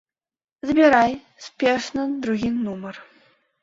Збірай спешна другі нумар.